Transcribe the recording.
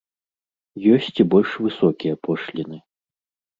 Ёсць і больш высокія пошліны.